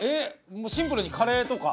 もうシンプルにカレーとか。